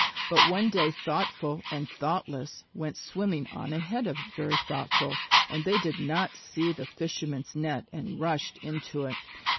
But one day Thoughtful and Thoughtless went swimming on ahead of Very Thoughtful and they did not see the fisherman's net and rushed into it.